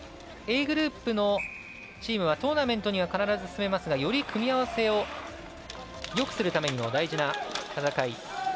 Ａグループのチームはトーナメントには必ず進めますがより組み合わせをよくするためにも大事な戦い。